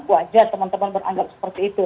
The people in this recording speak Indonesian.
wajar teman teman beranggap seperti itu